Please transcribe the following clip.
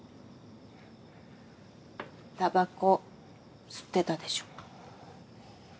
タバコ吸ってたでしょ？